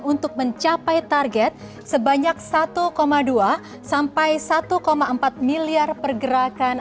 untuk mencapai target sebanyak satu dua sampai satu empat miliar pergerakan